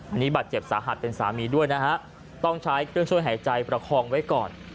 อันนี้บาดเจ็บสาหัสเป็นสามีด้วยนะฮะต้องใช้เครื่องช่วยหายใจประคองไว้ก่อน